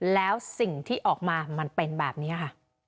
แล้วสิ่งที่ออกมามันเป็นแบบนี้ค่ะ